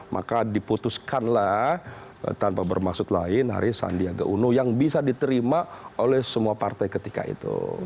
maka diputuskanlah tanpa bermaksud lain hari sandiaga uno yang bisa diterima oleh semua partai ketika itu